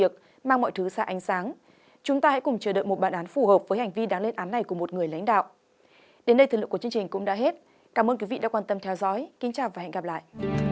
cảm ơn các bạn đã theo dõi và hẹn gặp lại